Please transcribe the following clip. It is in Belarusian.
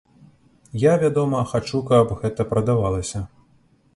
Я, вядома, хачу, каб гэта прадавалася.